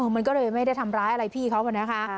มันก็เลยไม่ได้ทำร้ายอะไรพี่เขานะคะ